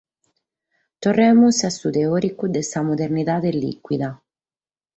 Torremus a su teòricu de sa “modernidade lìcuida”.